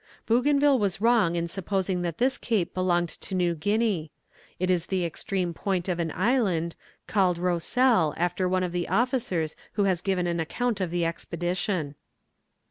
Bougainville was wrong in supposing that this cape belonged to New Guinea; it is the extreme point of an island, called Rossel after one of the officers who has given an account of the expedition.